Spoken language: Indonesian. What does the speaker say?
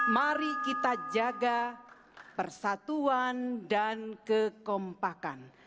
mari kita jaga persatuan dan kekompakan